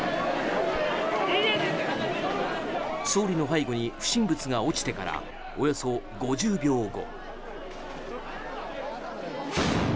総理の背後に不審物が落ちてからおよそ５０秒後。